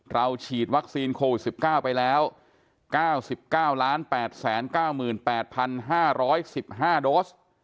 ฉีดวัคซีนโควิด๑๙ไปแล้ว๙๙๘๙๘๕๑๕โดส